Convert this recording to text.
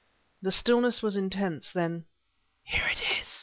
The stillness was intense. Then: "Here it is!"